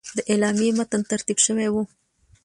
د اعلامیې متن ترتیب شوی وو.